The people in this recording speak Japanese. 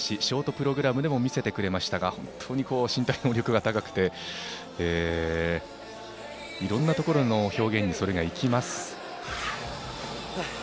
ショートプログラムでも見せてくれましたが本当に身体能力が高くていろんなところの表現にそれが生きます。